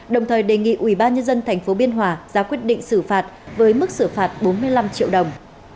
đồng thời đề nghị ubnd tp biên hòa ra quyết định xử phạt với mức xử phạt bốn mươi năm triệu đồng